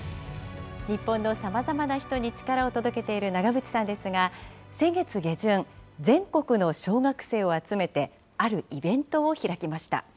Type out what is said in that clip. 日本のさまざまな人に力を届けている長渕さんですが、先月下旬、全国の小学生を集めて、あるイベントを開きました。